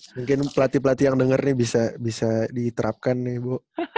mungkin pelatih pelatih yang denger nih bisa diterapkan nih ibu